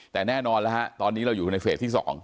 แต่แน่นอนแล้วฮะตอนนี้เราอยู่ในเฟสที่๒